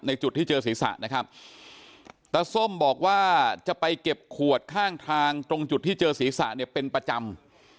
จุดที่เจอศีรษะนะครับตาส้มบอกว่าจะไปเก็บขวดข้างทางตรงจุดที่เจอศีรษะเนี่ยเป็นประจำ